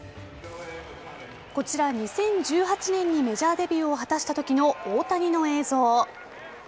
こちら、２０１８年にメジャーデビューを果たしたときの大谷の映像。